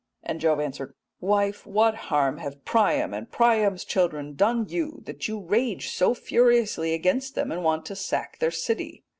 "And Jove answered, 'Wife, what harm have Priam and Priam's children done you that you rage so furiously against them, and want to sack their city?